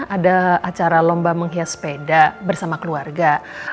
ada acara lomba menghias sepeda bersama keluarga